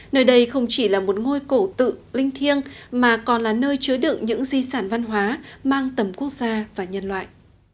nơi đây không chỉ là một ngôi cổ tự linh thiêng mà còn là nơi chứa đựng những di sản văn hóa mang tầm quốc gia và nhân loại